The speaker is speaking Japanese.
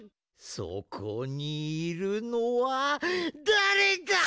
そこにいるのはだれだ！